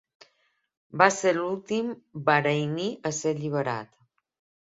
Va ser l'últim Bahraini a ser alliberat.